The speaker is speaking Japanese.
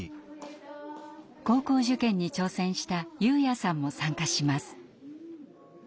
高校受験に挑戦したユウヤさんも参加します。